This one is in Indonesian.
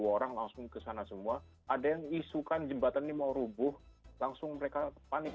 orang langsung kesana semua ada yang isukan jembatan ini mau rubuh langsung mereka panik